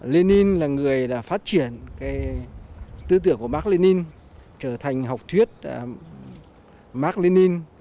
lenin là người đã phát triển tư tưởng của mark lenin trở thành học thuyết mark lenin